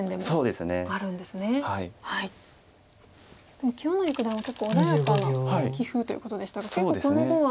でも清成九段は結構穏やかな棋風ということでしたが結構この碁は。